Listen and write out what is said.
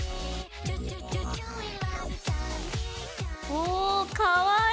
おかわいい！